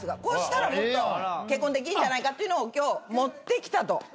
こうしたら結婚できんじゃないかっていうのを今日持ってきたと。